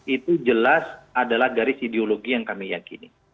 itu jelas adalah garis ideologi yang kami yakini